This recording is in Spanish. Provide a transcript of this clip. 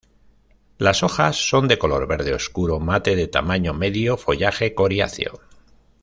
Las hojas son de color verde oscuro mate de tamaño medio, follaje coriáceo.